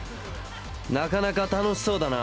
なかなか楽しそうだな。